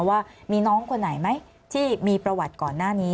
ว่ามีน้องคนไหนไหมที่มีประวัติก่อนหน้านี้